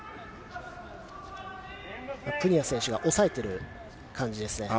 プニア選手が押さえている感じですね。